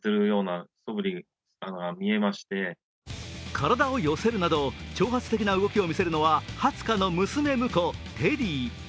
体を寄せるなど挑発的な動きを見せるのはハツカの娘婿・テリー。